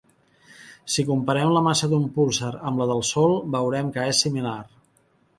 Si comparem la massa d'un púlsar amb la del Sol, veurem que és similar.